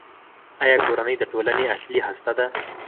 آیا کورنۍ د ټولنې اصلي هسته ده؟